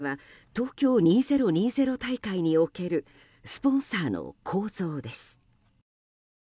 これは東京２０２０大会におけるスポンサーの構造です。